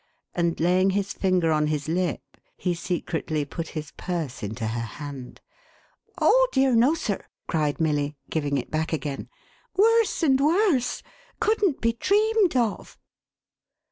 And laying his finger on his Up, he secretly put his purse into her hand. THE POOR STUDENT. 4:5:3 "Oh dear no, sir!" cried Milly, giving it back again. " Worse and worse ! Couldn't be dreamed of